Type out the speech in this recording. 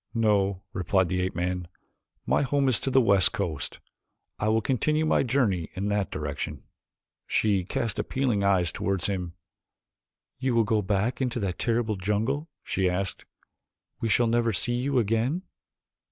"No," replied the ape man. "My home is upon the west coast. I will continue my journey in that direction." She cast appealing eyes toward him. "You will go back into that terrible jungle?" she asked. "We shall never see you again?"